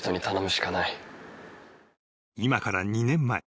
［今から２年前］